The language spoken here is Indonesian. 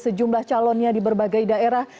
sejumlah calonnya di berbagai daerah